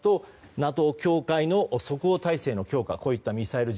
ＮＡＴＯ境界の即応体制の強化。